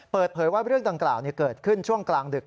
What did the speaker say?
เปิดเผยว่าเรื่องดังกล่าวเกิดขึ้นช่วงกลางดึก